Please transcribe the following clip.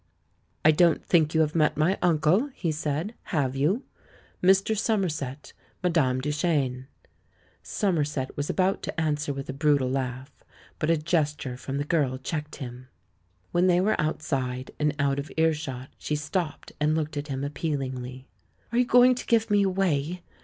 "I don't think you have met my uncle," he said; "have you? ]Mr. Somerset — inadame Du chene." Somerset was about to answer with a brutal laugh, but a gesture from the girl checked him. When they were outside, and out of earshot, she stopped and looked at him appealingly. "Are you going to give me away?"